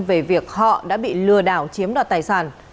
về việc họ đã bị lừa đảo chiếm đoạt tài sản